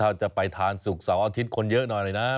ถ้าจะไปทานศุกร์เสาร์อาทิตย์คนเยอะหน่อยนะ